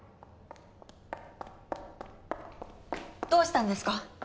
どうしたんですか？